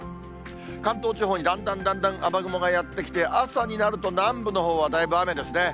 関東地方にだんだんだんだん雨雲がやって来て、朝になると南部のほうはだいぶ雨ですね。